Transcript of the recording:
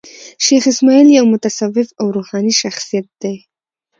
شېخ اسماعیل یو متصوف او روحاني شخصیت دﺉ.